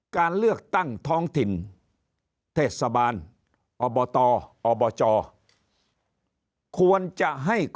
การเลือกตั้งท้องถิ่นเทศบาลอบตอบจควรจะให้